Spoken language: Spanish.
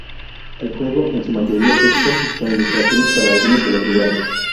El juego es en su mayoría texto, con ilustraciones para algunos de los lugares.